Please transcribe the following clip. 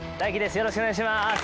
よろしくお願いします。